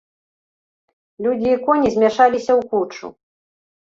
Людзі і коні змяшаліся ў кучу.